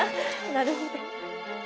「なるほど」。